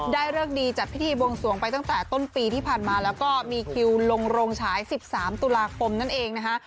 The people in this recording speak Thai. เลิกดีจัดพิธีบวงสวงไปตั้งแต่ต้นปีที่ผ่านมาแล้วก็มีคิวลงโรงฉาย๑๓ตุลาคมนั่นเองนะคะ